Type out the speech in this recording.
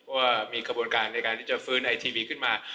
ว่ามีขบวนการในการฟื้นไอทีวีขึ้นมา